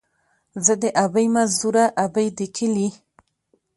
ـ زه دې ابۍ مزدوره ، ابۍ دې کلي.